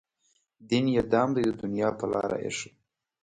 دین یې دام دی د دنیا په لاره ایښی.